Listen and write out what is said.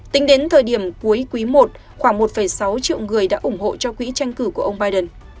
tính đến thời điểm cuối quý i khoảng một sáu triệu người đã ủng hộ cho quỹ tranh cử của ông biden